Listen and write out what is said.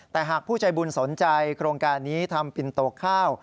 แต่หากผู้ใจบุญสนใจโครงการนี้ทำปินโตข้าว